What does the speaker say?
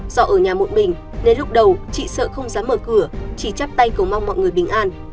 do ở nhà một mình nên lúc đầu chị sợ không dám mở cửa chỉ chắp tay cầu mong mọi người bình an